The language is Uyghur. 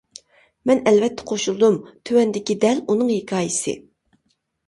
مەن ئەلۋەتتە قوشۇلدۇم، تۆۋەندىكى دەل ئۇنىڭ ھېكايىسى.